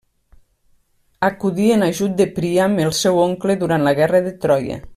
Acudí en ajut de Príam, el seu oncle, durant la guerra de Troia.